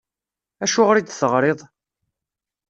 Acuɣeṛ i d-teɣṛiḍ?